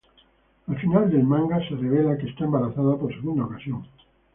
Al final del manga, se revela que está embarazada por segunda ocasión.